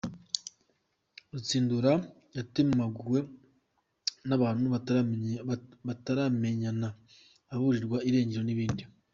Rutsindura yatemaguwe n’abantu bataramenyena, aburirwa irengero n’ibindi.